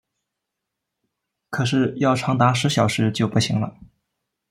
可是要长达十小时就不行了